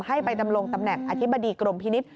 ให้ไปดำรงตำแหน่งอธิบดีกรมพินิษฐ